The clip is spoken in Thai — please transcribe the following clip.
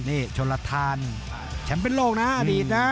นี่ชนลทานแชมป์เป็นโลกนะอดีตนะ